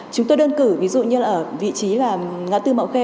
chúng tôi đơn cử ví dụ như ở vị trí là ngã tư mậu khê